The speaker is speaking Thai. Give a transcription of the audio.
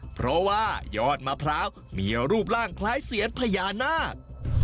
เพราะว่ายอดมะพร้าวมีรูปร่างคล้ายเซียนพญานาค